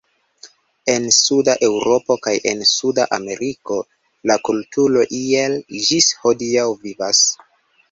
En Suda Eŭropo kaj en Suda Ameriko la kulto iel ĝis hodiaŭ vivas.